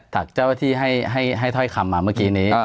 จากเจ้าหน้าที่ให้ถ้อยคำมาเมื่อกี้นี้